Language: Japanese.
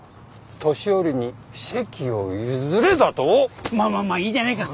年寄りに席を譲れだと⁉まあまあまあいいじゃないか。